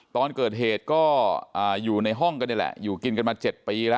ตอนเกิดเหตุก็อยู่ในห้องกันนี่แหละอยู่กินกันมา๗ปีแล้ว